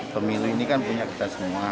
pemilu ini kan punya kita semua